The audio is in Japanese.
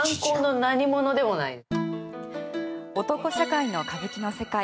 男社会の歌舞伎の世界。